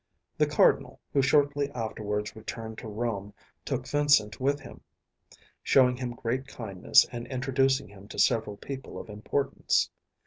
The Cardinal, who shortly afterwards returned to Rome, took Vincent with him, showing him great kindness and introducing him to several people of importance.